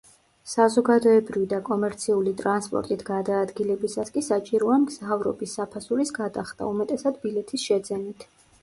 საზოგადოებრივი და კომერციული ტრანსპორტით გადაადგილებისას კი საჭიროა მგზავრობის საფასურის გადახდა, უმეტესად ბილეთის შეძენით.